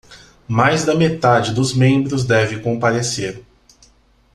Mais da metade dos membros deve comparecer